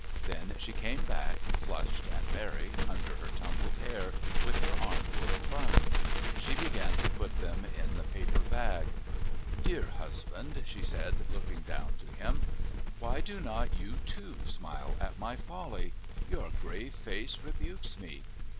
Then she came back, flushed and merry under her tumbled hair, with her arm full of buns. She began to put them back in the paper bag. "Dear husband," she said, looking down to him, "Why do not you too smile at my folly? Your grave face rebukes me.